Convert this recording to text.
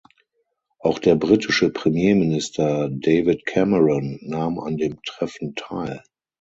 Auch der britische Premierminister David Cameron nahm an dem Treffen teil.